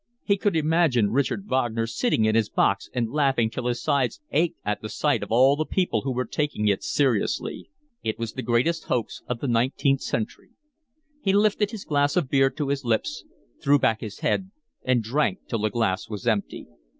He could imagine Richard Wagner sitting in his box and laughing till his sides ached at the sight of all the people who were taking it seriously. It was the greatest hoax of the nineteenth century. He lifted his glass of beer to his lips, threw back his head, and drank till the glass was empty.